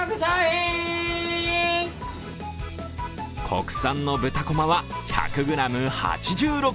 国産の豚こまは１００ｇ８６円。